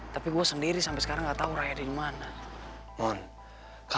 tapi saya ingin kau membantu mereka